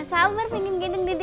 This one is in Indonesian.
nggak sabar pingin gedeng dede bayi